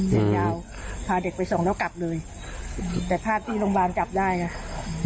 เด็กยาวพาเด็กไปส่งแล้วกลับเลยแต่ภาพที่โรงพยาบาลจับได้ไง